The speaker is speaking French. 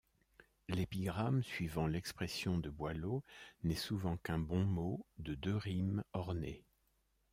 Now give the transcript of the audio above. L’épigramme, suivant l’expression de Boileau, n’est souvent qu’un bon mot de deux rimes orné.